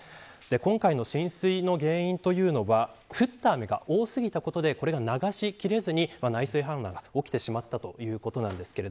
今回の浸水の原因というのは降った雨が多過ぎたことで流しきれず内水氾濫が起きてしまったということです。